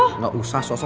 nggak usah sosok